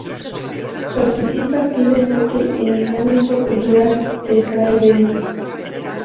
Participa activamente en el ámbito cultural de Fray Bentos.